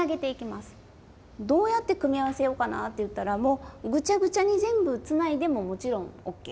どうやって組み合わせようかなっていったらもうぐちゃぐちゃに全部つないでももちろんＯＫ。